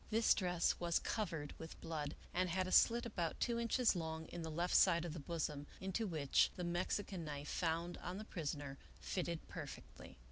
This dress was covered with blood, and had a slit about two inches long in the left side of the bosom, into which the Mexican knife, found on the prisoner, fitted perfectly.